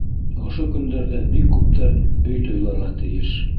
Ошо көндәрҙә бик күптәр өй туйларға тейеш.